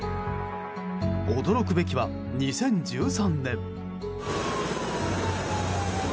驚くべきは２０１３年。